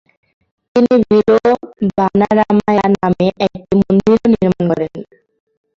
তিনি "ভেলুভানারামায়া" নামে একটি মন্দিরও নির্মাণ করেন।